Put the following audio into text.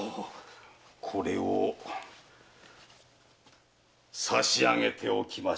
これを差し上げておきましょう。